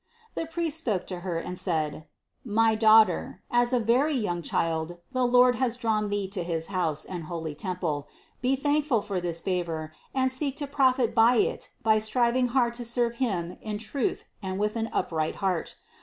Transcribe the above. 468. The priest spoke to Her and said: "My Daugh ter, as a very young Child the Lord has drawn Thee to his house and holy temple; be thankful for this favor and seek to profit by it by striving hard to serve Him in truth and with an upright heart.